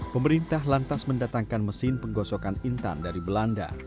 pemerintah lantas mendatangkan mesin penggosokan intan dari belanda